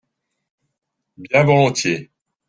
Bien volontiers.